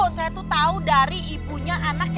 saya tuh tahu dari ibunya anaknya